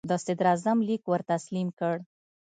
د صدراعظم لیک ور تسلیم کړ.